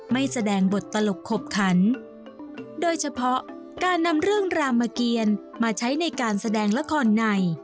ไม่แสดงบทตลกขบขันโดยเฉพาะการนำเรื่องรามเกียรมาใช้ในการแสดงละครใน